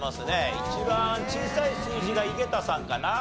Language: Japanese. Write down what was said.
一番小さい数字が井桁さんかな。